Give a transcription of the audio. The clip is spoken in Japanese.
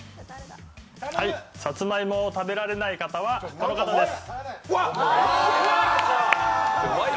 はい、さつまいもを食べられない方は、この方です。